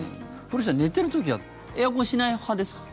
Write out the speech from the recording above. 古市さん、寝ている時はエアコンはしない派ですか？